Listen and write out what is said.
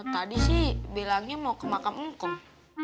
tadi sih belangnya mau ke makam ngkong